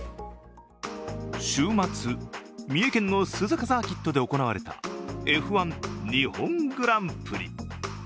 週末、三重県の鈴鹿サーキットで行われたＦ１日本グランプリ。